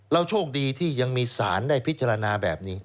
โชคดีที่ยังมีสารได้พิจารณาแบบนี้